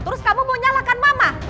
terus kamu mau nyalakan mama